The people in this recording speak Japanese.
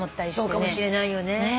そうかもしれないよね。